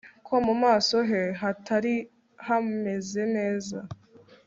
Ko mu maso he hatari haameze neza